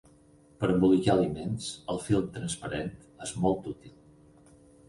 Per embolicar aliments, el film transparent és molt útil